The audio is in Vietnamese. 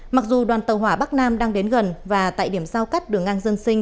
mặc dù đoàn tàu hỏa bắc nam đang đến gần và tại điểm giao cắt đường ngang dân sinh